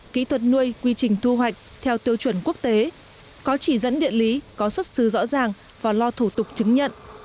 kỹ thuật nuôi quy trình thu hoạch theo tiêu chuẩn quốc tế có chỉ dẫn địa lý có xuất xứ rõ ràng và lo thủ tục chứng nhận